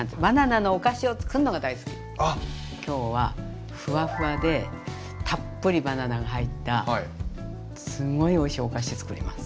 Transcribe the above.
バナナの今日はフワフワでたっぷりバナナが入ったすごいおいしいお菓子つくります。